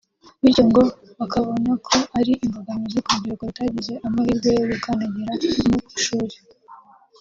bityo ngo bakabona ko ari imbogamizi ku rubyiruko rutagize amahirwe yo gukandagira mu ishuri